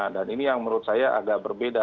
dan ini yang menurut saya agak berbeda